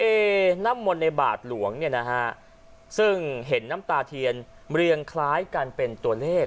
น้ำมนต์ในบาทหลวงเนี่ยนะฮะซึ่งเห็นน้ำตาเทียนเรียงคล้ายกันเป็นตัวเลข